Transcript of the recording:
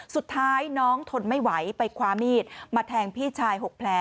สุดท้ายน้องทนไม่ไหวไปคว้ามีดมาแทงพี่ชาย๖แผล